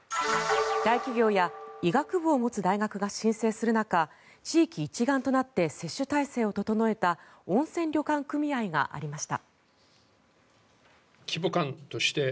大企業や医学部を持つ大学が申請する中地域一丸となって接種体制を整えた温泉旅館組合がありました。